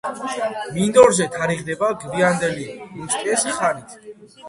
მინდორზე თარიღდება გვიანდელი მუსტიეს ხანით.